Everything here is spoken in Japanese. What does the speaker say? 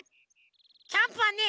キャンプはね